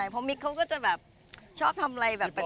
พอมิ๊กเค้าชอบทำอะไรแบบแปลก